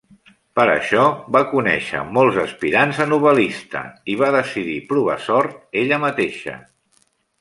Per això, va conèixer molts aspirants a novel·lista i va decidir provar sort ella mateixa.